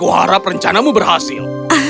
harap rencanamu berhasil